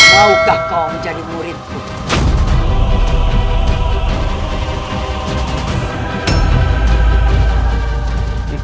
maukah kau menjadi muridku